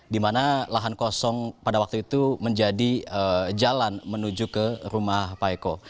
di mana lahan kosong pada waktu itu menjadi jalan menuju ke rumah pak eko